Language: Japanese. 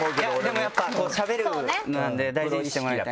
でもやっぱしゃべるのなんで大事にしてもらいたい。